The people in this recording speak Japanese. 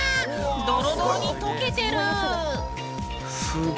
ドロドロに溶けてる！